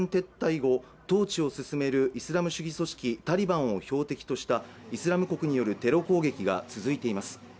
ご当地を進めるイスラム主義組織タリバンを標的としたイスラム国によるテロ攻撃が続いています